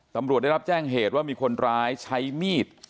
ตำรวจได้รับแจ้งเหตุว่ามีคนร้ายใช้มีด